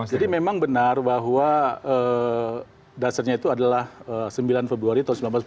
jadi memang benar bahwa dasarnya itu adalah sembilan februari seribu sembilan ratus empat puluh enam